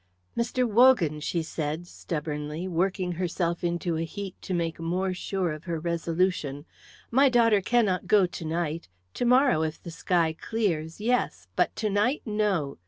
"Mr. Wogan," she said, stubbornly working herself into a heat to make more sure of her resolution, "my daughter cannot go to night. To morrow, if the sky clears, yes, but to night, no.